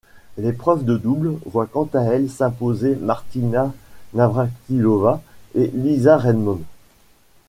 L'épreuve de double voit quant à elle s'imposer Martina Navrátilová et Lisa Raymond.